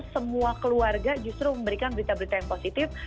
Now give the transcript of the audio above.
semua keluarga justru memberikan berita berita yang positif